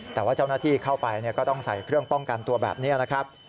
แต่ว่าเจ้าหน้าที่เข้าไปก็ต้องใส่เครื่องป้องกันตัวแบบนี้นะครับ